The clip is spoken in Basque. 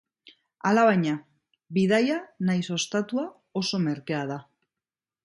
Alabaina, bidaia nahiz ostatua oso merkea da.